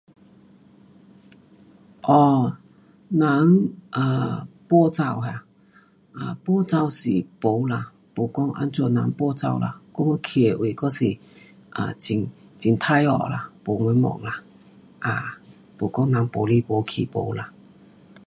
哦，人搬走哈？um 搬走是没啦，没讲怎样人搬走啦，我们去的位还是 um 很,很快乐啦，没什么啦，[um 没讲人搬来搬去，没啦。